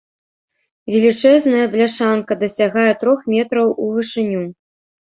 Велічэзная бляшанка дасягае трох метраў у вышыню.